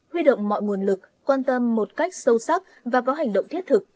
huy động mọi nguồn lực quan tâm một cách sâu sắc và có hành động thiết thực